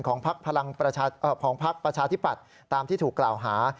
ของพักประชาธิปัตย์ตามที่ถูกกล่าวหา